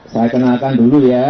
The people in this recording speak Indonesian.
saya kenalkan dulu ya